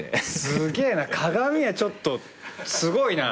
すげぇな鏡はちょっとすごいな。